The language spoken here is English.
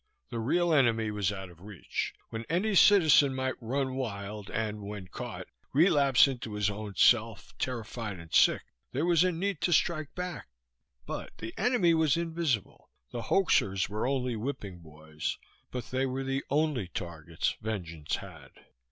The real enemy was out of reach; when any citizen might run wild and, when caught, relapse into his own self, terrified and sick, there was a need to strike back. But the enemy was invisible. The hoaxers were only whipping boys but they were the only targets vengeance had.